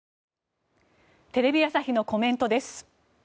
テレビ朝日のコメントです。